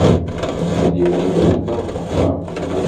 D taspenyult i nhedder deg uxxam.